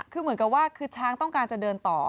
คือเหมือนกับว่าคือช้างต้องการจะเดินต่อ